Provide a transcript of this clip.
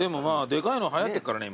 でかいのはやってっからね